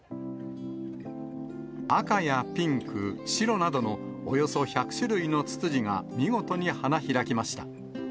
赤やピンク、白などのおよそ１００種類のツツジが見事に花開きました。